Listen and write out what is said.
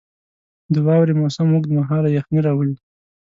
• د واورې موسم اوږد مهاله یخني راولي.